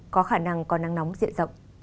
có khả năng có năng nóng diện rộng